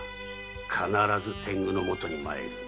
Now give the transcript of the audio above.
必ず天狗のもとへ参る。